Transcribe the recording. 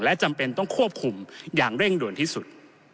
และจำเป็นต้องควบคุมอย่างเร่งด่วนที่สุด